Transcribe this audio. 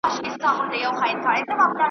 ازل دښمن دی د مظلومانو .